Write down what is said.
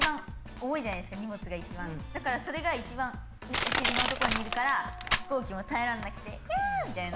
だからそれがいちばんお尻のところにいるから飛行機も耐えられなくてひゃみたいな。